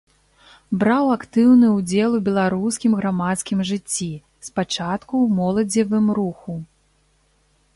Браў актыўны ўдзел у беларускім грамадскім жыцці, спачатку ў моладзевым руху.